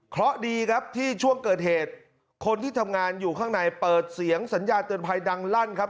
เพราะดีครับที่ช่วงเกิดเหตุคนที่ทำงานอยู่ข้างในเปิดเสียงสัญญาเตือนภัยดังลั่นครับ